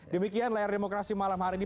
demikian layar demokrasi malam hari ini